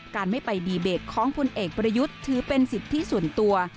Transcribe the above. การไม่ไปดีเบตของพลเอกประยุทธ์ถือเป็นสิทธิส่วนตัว